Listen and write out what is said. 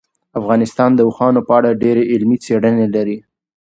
افغانستان د اوښانو په اړه ډېرې علمي څېړنې لري.